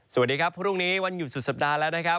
สวัสดีครับพรุ่งนี้วันหยุดสุดสัปดาห์แล้วนะครับ